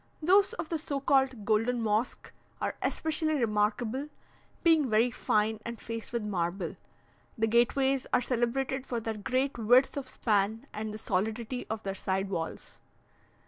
Those of the so called "Golden Mosque" are especially remarkable, being very fine and faced with marble; the gateways are celebrated for their great width of span and the solidity of their side walls.